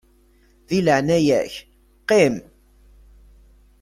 Di leɛnaya-k qqim!